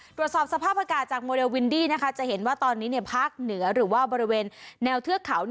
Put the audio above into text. ตรวจสอบสภาพอากาศจากโมเดลวินดี้นะคะจะเห็นว่าตอนนี้ภาคเหนือหรือว่าบริเวณแนวเทือกเขา